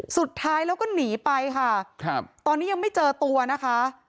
สุดท้ายแล้วก็หนีไปค่ะครับตอนนี้ยังไม่เจอตัวนะคะ